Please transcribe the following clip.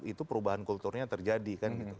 itu perubahan kulturnya terjadi